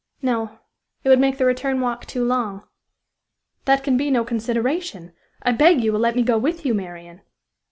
"No; it would make the return walk too long." "That can be no consideration, I beg you will let me go with you, Marian."